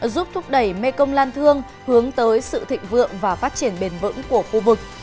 giúp thúc đẩy mekong lan thương hướng tới sự thịnh vượng và phát triển bền vững của khu vực